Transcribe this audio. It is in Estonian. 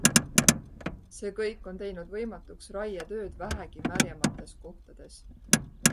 See kõik on teinud võimatuks raietööd vähegi märjemates kohtades.